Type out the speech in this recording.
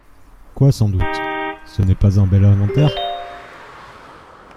Quoi, sans doute ? ce n’est pas un bel inventaire ?